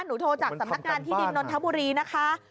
โทรจากสำนักงานที่ดินนนทบุรีนะคะ